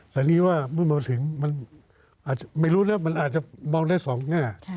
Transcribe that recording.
แต่นี่ว่าเมื่อมันถึงไม่รู้นะมันอาจจะมองได้๒หน้า